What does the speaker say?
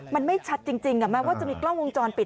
มันไม่ชัดจริงแม้ว่าจะมีกล้องวงจรปิด